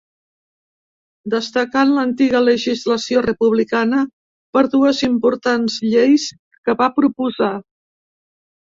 Destacà en l'antiga legislació republicana per dues importants lleis que va proposar.